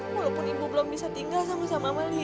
walaupun ibu belum bisa tinggal sama sama sama lia